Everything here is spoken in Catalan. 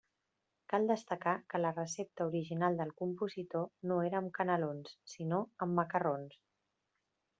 Cal destacar que la recepta original del compositor no era amb canelons, sinó macarrons.